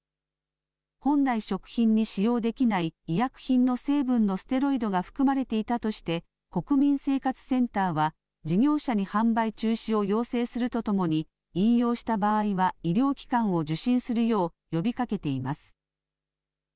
本来食品に使用できない医薬品の成分のステロイドが含まれていたとして国民生活センターは事業者に販売中止を要請するとともに飲用した場合は医療機関を受診するよう呼びかけています。